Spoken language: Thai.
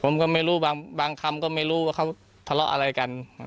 ผมก็ไม่รู้บางคำก็ไม่รู้ว่าเขาทะเลาะอะไรกัน